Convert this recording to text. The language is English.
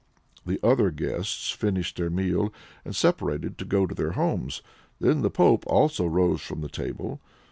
The (other) guests finished their meal, and separated to go to their homes; then the pope also rose from the table.